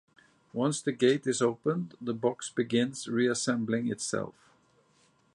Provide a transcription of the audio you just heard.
Once the gate is opened, the box begins reassembling itself.